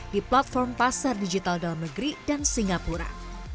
di platform pasar digital dalam negeri dan singapura